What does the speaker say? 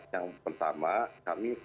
yang pertama kami